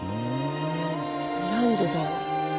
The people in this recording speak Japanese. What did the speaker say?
何でだろう？